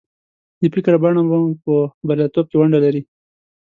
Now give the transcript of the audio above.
د فکر بڼه مو په برياليتوب کې ونډه لري.